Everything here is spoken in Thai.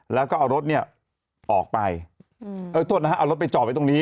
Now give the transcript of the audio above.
แล้วก็เอารถเนี่ยออกไปโทษนะฮะเอารถไปจอดไว้ตรงนี้